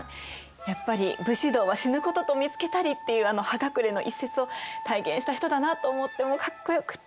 やっぱり「武士道は死ぬことと見つけたり」っていうあの「葉隠」の一節を体現した人だなと思ってもうかっこよくって。